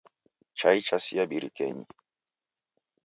Chai chasia birikenyi.